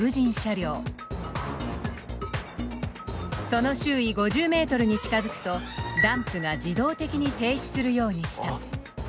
その周囲５０ｍに近づくとダンプが自動的に停止するようにした。